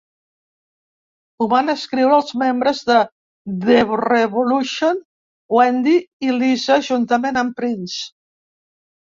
Ho van escriure els membres de The Revolution, Wendy i Lisa, juntament amb Prince.